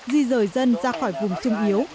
di rời dân ra khỏi vùng sung yếu